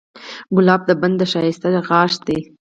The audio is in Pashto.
ګلاب د بڼ د ښایست غاښ دی.